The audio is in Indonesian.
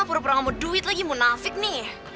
pur purang mau duit lagi munafik nih